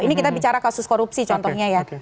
ini kita bicara kasus korupsi contohnya ya